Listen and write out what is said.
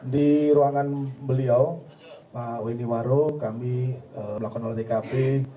di ruangan beliau pak winibaro kami melakukan olah tkb